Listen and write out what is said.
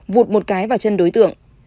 vụt một cái vào chân đối tượng